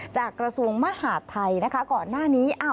กระทรวงมหาดไทยนะคะก่อนหน้านี้